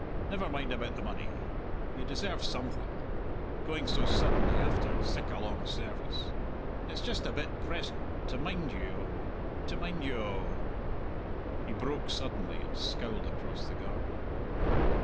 Never mind about the money; you deserve something, going so suddenly after sic a long service. It's just a bit present to mind you o' to mind you o' " he broke suddenly and scowled across the garden.